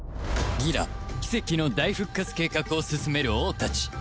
ギラ奇跡の大復活計画を進める王たち